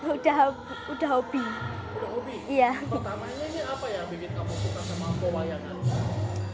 pertamanya ini apa yang bikin kamu suka sama pewayangan